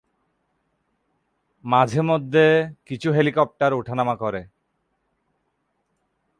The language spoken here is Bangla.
মাঝে মধ্যে কিছু হেলিকপ্টার ওঠানামা করে।